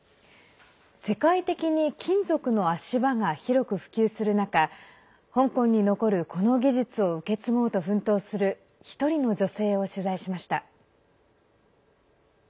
世界的に金属の足場が広く普及する中香港に残るこの技術を受け継ごうと奮闘する１人の女性を取材しました。